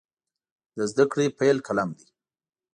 د زده کړې پیل قلم دی.